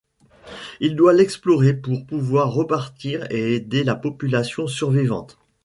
Il doit l'explorer pour pouvoir repartir et aider la population survivante.